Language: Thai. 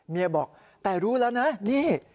บอกแต่รู้แล้วนะนี่